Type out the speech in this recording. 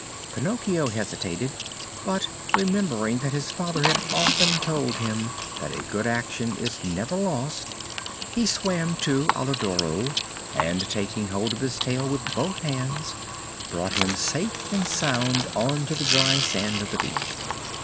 Pinocchio hesitated; but, remembering that his father had often told him that a good action is never lost, he swam to Alidoro, and, taking hold of his tail with both hands, brought him safe and sound on to the dry sand of the beach.